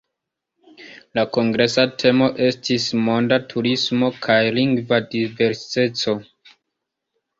La kongresa temo estis "Monda turismo kaj lingva diverseco".